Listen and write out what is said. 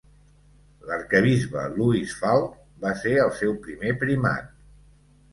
L"arquebisbe Louis Falk va ser el seu primer primat.